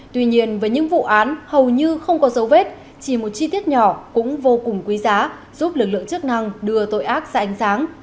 tuy nhiên với những vụ án hầu như không có dấu vết chỉ một chi tiết nhỏ cũng vô cùng quý giá giúp lực lượng chức năng đưa tội ác ra ánh sáng